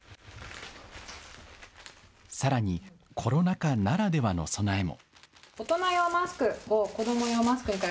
さらにコロナ禍ならではの備えも。